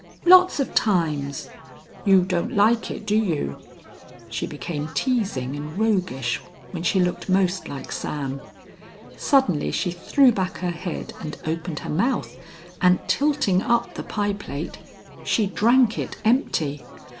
"Lots of times. You don't like it, do you?" She became teasing and roguish, when she looked most like Sam. Suddenly she threw back her head and opened her mouth, and tilting up the pie plate she drank it empty.